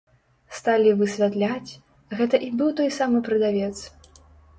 Сталі высвятляць, гэта і быў той самы прадавец.